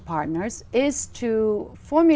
và tôi nghĩ